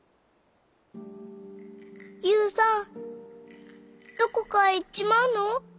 勇さんどこかへ行っちまうの？